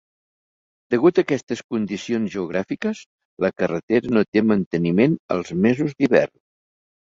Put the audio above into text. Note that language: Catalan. Degut a aquestes condicions geogràfiques, la carretera no té manteniment els mesos d'hivern.